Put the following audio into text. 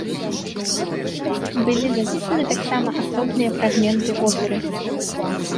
Былі запісаны таксама асобныя фрагменты оперы.